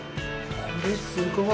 これすごい。